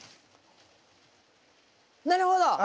なるほど！